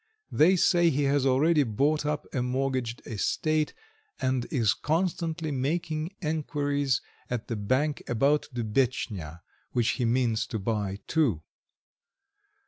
They say he has already bought up a mortgaged estate, and is constantly making enquiries at the bank about Dubetchnya, which he means to buy too.